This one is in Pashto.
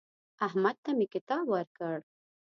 احمد ته مې کتاب ورکړ.